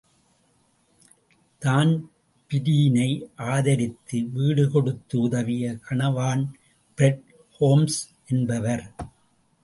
தான்பிரீனை ஆதரித்து வீடு கொடுத்து உதவிய கணவான் பிரெட் ஹோம்ஸ் என்பவர்.